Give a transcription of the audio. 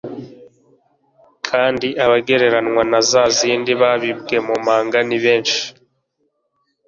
kandi abagereranywa na za zindi zabibwe mu manga ni benshi